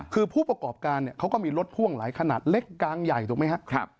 คือผู้ประกอบการเนี่ยเขาก็มีรถพ่วงหลายขนาดเล็กกลางใหญ่ถูกไหมครับ